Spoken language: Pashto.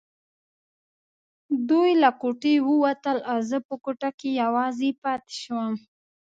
دوی له کوټې ووتل او زه په کوټه کې یوازې پاتې شوم.